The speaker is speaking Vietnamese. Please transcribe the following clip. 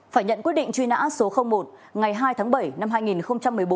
phải nhận quyết định truy nã số một ngày hai tháng bảy năm hai nghìn một mươi bốn